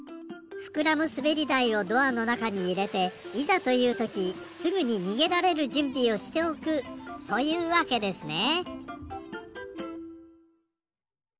ふくらむすべりだいをドアのなかにいれていざというときすぐににげられるじゅんびをしておくというわけですね。